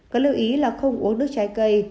có lưu ý là không uống nước trái cây